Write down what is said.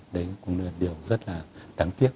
đấy cũng là điều rất là đáng tiếc